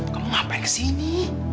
kamu ngapain kesini